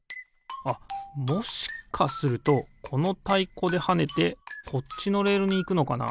あっもしかするとこのたいこではねてこっちのレールにいくのかな？